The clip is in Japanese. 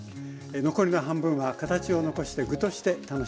残りの半分は形を残して具として楽しみます。